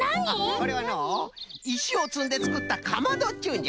これはのういしをつんでつくったかまどっちゅうんじゃよ。